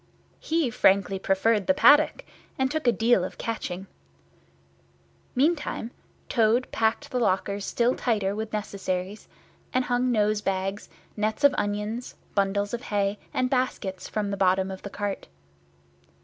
He frankly preferred the paddock, and took a deal of catching. Meantime Toad packed the lockers still tighter with necessaries, and hung nosebags, nets of onions, bundles of hay, and baskets from the bottom of the cart.